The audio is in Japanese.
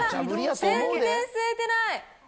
全然吸えてない。